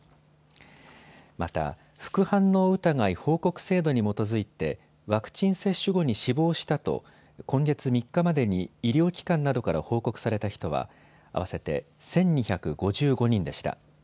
また、副反応疑い報告制度に基づいてワクチン接種後に死亡したと今月３日までに医療機関などから報告された人は合わせて１２５５人でした。